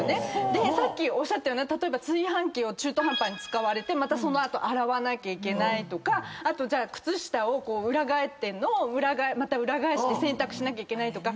でさっきおっしゃったような炊飯器を中途半端に使われてその後洗わなきゃいけないとかあと靴下を裏返ってるのをまた裏返して洗濯しなきゃいけないとか。